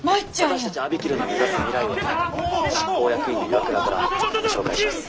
「私たちＡＢＩＫＩＬＵの目指す未来を執行役員の岩倉からご紹介します」。